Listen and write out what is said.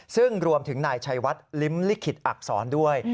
ซึ่งรวมถึงนายชัยวัดลิ้มลิขิตอักษรด้วย